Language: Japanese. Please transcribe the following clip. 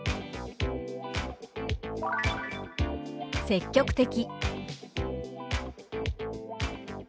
「積極的」。